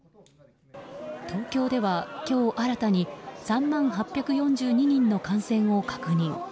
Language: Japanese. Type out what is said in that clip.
東京では今日新たに３万８４２人の感染を確認。